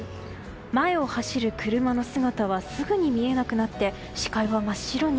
前を走る車の姿はすぐに見えなくなって視界は真っ白に。